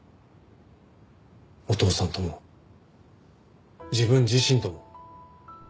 お父さんとも自分自身とも。